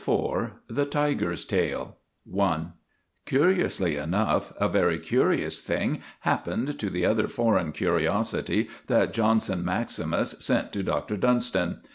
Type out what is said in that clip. IV* *THE TIGER'S TAIL* *I* Curiously enough a very curious thing happened to the other foreign curiosity that Johnson maximus sent to Dr. Dunstan.